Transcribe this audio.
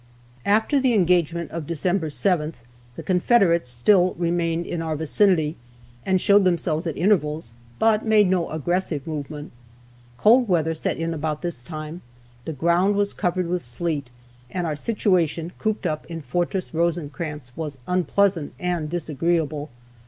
After the engagement of December 7th, the Confederates still remained in our vicinity, and showed themselves at intervals, but made no aggressive movement. Cold weather set in about this time, the ground was covered with sleet, and our situation, cooped up in Fortress Rosecrans, was unpleasant and disagreeable.